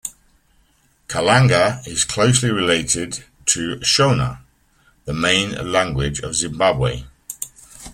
Kalanga is closely related to Shona, the main language of Zimbabwe.